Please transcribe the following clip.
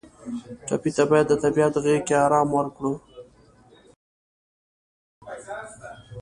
ټپي ته باید د طبیعت غېږ کې آرام ورکړو.